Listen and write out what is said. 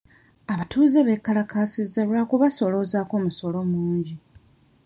Abatuuze beekalakaasizza lwa kubasooloozaako musolo mungi.